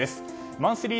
マンスリー